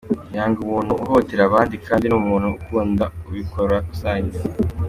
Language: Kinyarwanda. Yanga umuntu uhohotera abandi kandi ni umuntu ukunda ibikorwa rusange.